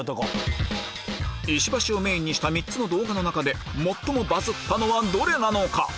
石橋をメインにした３つの動画の中で最もバズったのはどれなのか？